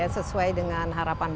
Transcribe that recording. sesuai dengan harapan